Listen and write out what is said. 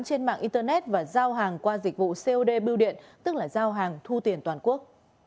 trên mạng internet và giao hàng qua dịch vụ cod biêu điện tức là giao hàng thu tiền toàn quốc